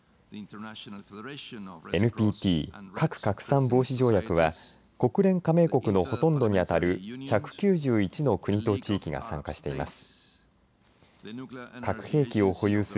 ＮＰＴ核拡散防止条約は国連加盟国のほとんどに当たる１９１の国と地域が参加しています。